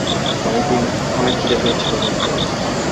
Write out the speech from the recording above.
অনেক খিদে পেয়েছিল আমার।